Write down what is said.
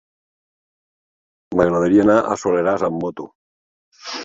M'agradaria anar al Soleràs amb moto.